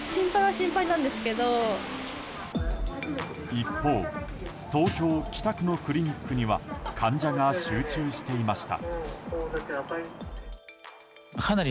一方東京・北区のクリニックには患者が集中していました。